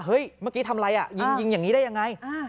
เมื่อกี้ทำอะไรอ่ะยิงอย่างนี้ได้ยังไง